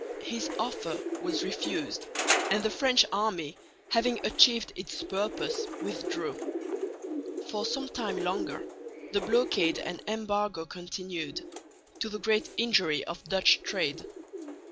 His offer was refused; and the French army, having achieved its purpose, withdrew. For some time longer the blockade and embargo continued, to the great injury of Dutch trade.